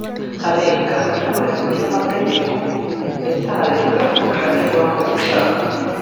harebwa iyubahirizwa ry’amategeko ndetse harebwa n’ubushake bw’uwakoze icyaha